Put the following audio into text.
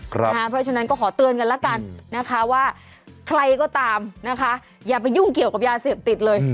เพราะฉะนั้นก็ขอเตือนกันแล้วกันนะคะว่าใครก็ตามนะคะอย่าไปยุ่งเกี่ยวกับยาเสพติดเลย